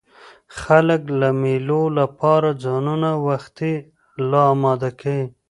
خلک د مېلو له پاره ځانونه وختي لا اماده کوي.